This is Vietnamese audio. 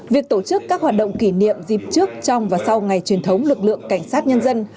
việc tổ chức các hoạt động kỷ niệm dịp trước trong và sau ngày truyền thống lực lượng cảnh sát nhân dân